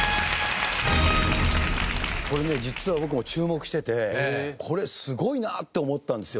これね実は僕も注目しててこれすごいなって思ったんですよ。